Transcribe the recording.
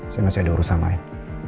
saya masih ada urusan main